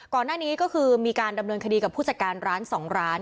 ก่อนหน้านี้ก็คือมีการดำเนินคดีกับผู้จัดการร้าน๒ร้าน